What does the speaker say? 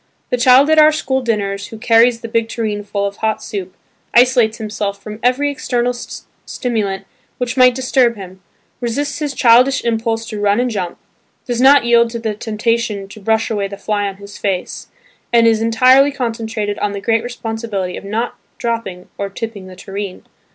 The child at our school dinners who carries the big tureen full of hot soup, isolates himself from every external stimulant which might disturb him, resists his childish impulse to run and jump, does not yield to the temptation to brush away the fly on his face, and is entirely concentrated on the great responsibility of not dropping or tipping the tureen.